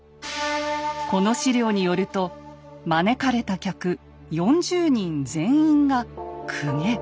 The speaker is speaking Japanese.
この史料によると招かれた客４０人全員が公家。